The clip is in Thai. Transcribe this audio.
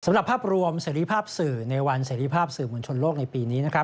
สำหรับภาพรวมเสรีภาพสื่อในวันเสรีภาพสื่อมวลชนโลกในปีนี้